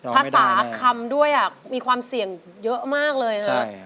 ภาษาคำด้วยมีความเสี่ยงเยอะมากเลยนะ